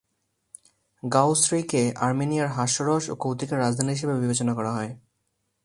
গাউম্রিকে আর্মেনিয়ার "হাস্যরস ও কৌতুকের রাজধানী" হিসেবে বিবেচনা করা হয়।